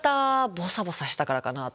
ボサボサしてたからかなとか